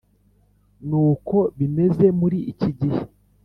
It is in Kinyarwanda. n’uko bimeze muri iki gihe?